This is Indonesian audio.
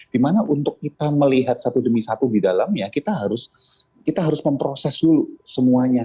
dimana untuk kita melihat satu demi satu di dalamnya kita harus memproses dulu semuanya